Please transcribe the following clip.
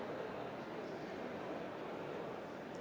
pernikahan di pukul dua belas waktu inggris